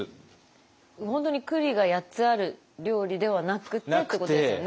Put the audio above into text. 本当に栗が８つある料理ではなくてっていうことですよね？